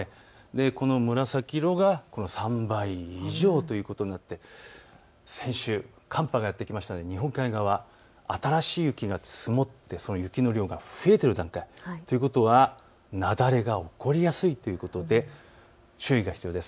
この紫色が３倍以上ということになって先週、寒波がやって来ました日本海側、新しい雪が積もってその雪の量が増えている段階、ということは雪崩が起こりやすいということで注意が必要です。